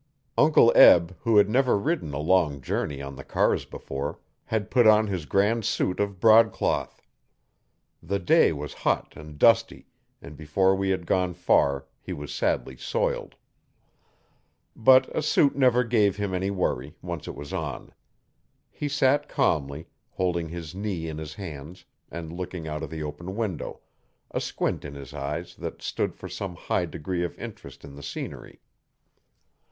Uncle Eb, who had never ridden a long journey on the cars before, had put on his grand suit of broadcloth. The day was hot and dusty, and before we had gone far he was sadly soiled. But a suit never gave him any worry, once it was on. He sat calmly, holding his knee in his hands and looking out of the open window, a squint in his eyes that stood for some high degree of interest in the scenery.